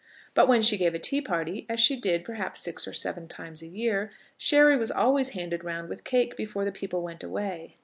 But when she gave a tea party, as she did, perhaps, six or seven times a year, sherry was always handed round with cake before the people went away.